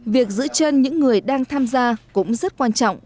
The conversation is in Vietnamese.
việc giữ chân những người đang tham gia cũng rất quan trọng